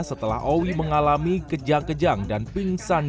setelah owi mengalami kejang kejang dan pingsan